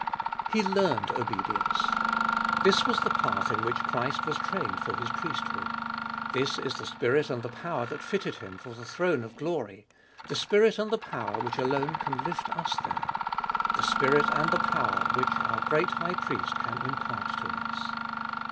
3. He learned obedience : This was the path in which Christ was trained for His priesthood. This is the spirit and the power that filled Him for the throne of glory ; the spirit and the power which alone can lift us there ; the spirit and the power which our great High Priest can im part to us.